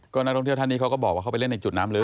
นักท่องเที่ยวท่านนี้เขาก็บอกว่าเขาไปเล่นในจุดน้ำล้